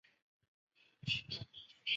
宇称是一个量子力学量。